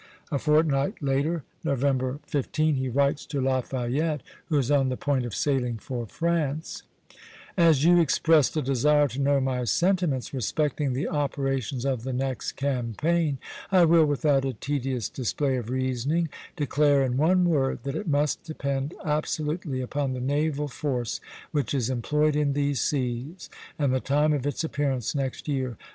A fortnight later, November 15, he writes to Lafayette, who is on the point of sailing for France: "As you expressed a desire to know my sentiments respecting the operations of the next campaign, I will, without a tedious display of reasoning, declare in one word that it must depend absolutely upon the naval force which is employed in these seas, and the time of its appearance next year.